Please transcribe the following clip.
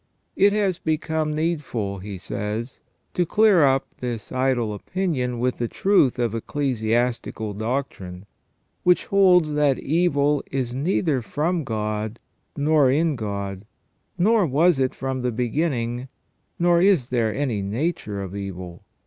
"It has become ON EVIL AND THE ORIGIN OF EVIL. 171 needful," he says, "to clear up this idle opinion with the truth of ecclesiastical doctrine, which holds that evil is neither from God nor in God ; nor was it from the beginning, nor is there any nature of evil.